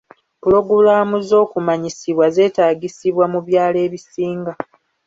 Pulogulaamu z'okumanyisibwa zeetagisibwa mu byalo ebisinga.